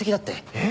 えっ？